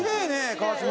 川島。